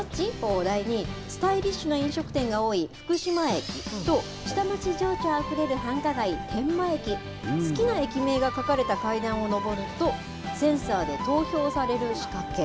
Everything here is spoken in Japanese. お題に、スタイリッシュな飲食店が多い、福島駅と下町情緒あふれる繁華街、天満駅、好きな駅名が書かれた階段を上ると、センサーで投票される仕掛け。